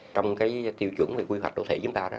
trong cái tiêu chuẩn về quy hoạch đô thị chúng ta đó